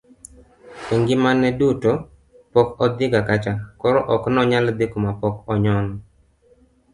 e ngimane duto pok odhi ga kacha koro ok nonyal dhi kama pok onyono